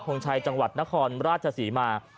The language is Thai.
งชัยจังหวัดนครราชศรีมา